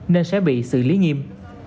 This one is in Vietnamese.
nên sẽ bị xử lý nghiêm